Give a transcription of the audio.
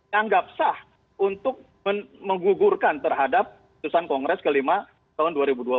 yang anggap sah untuk menggugurkan terhadap keputusan kongres ke lima tahun dua ribu dua puluh